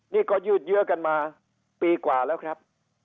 นี่ก็ยืดเยอะกันมาปีกว่าแล้วครับ